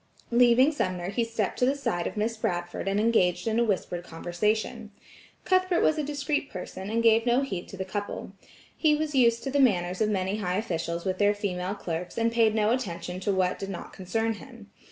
Leaving Sumner he stepped to the side of Miss Bradford and engaged in a whispered conversation. Cuthbert was a discreet person and gave no heed to the couple. He was used to the manners of many high officials with their female clerks, and paid no attention to what did not concern him.